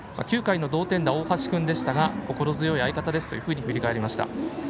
９回の同点打、大橋君でしたが心強い相方ですと振り返りました。